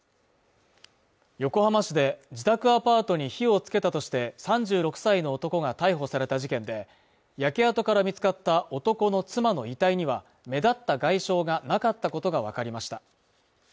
横浜市で自宅アパートに火をつけたとして、３６歳の男が逮捕された事件で、焼け跡から見つかった男の妻の遺体には目立った外傷がなかったことがわかりました。